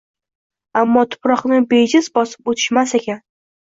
Ammo tuproqni bejiz bosib o`tishmas ekan